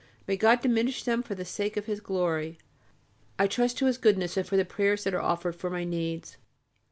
May God diminish them for the sake of His glory. I trust to His Goodness and to the prayers that are offered for my needs....